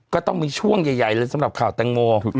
ก็ต้องมีช่วงใหญ่เลยสำหรับข่าวแตงโม